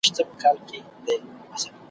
بيا په وينو اوبه کيږي ,